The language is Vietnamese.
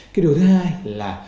cái điều thứ hai là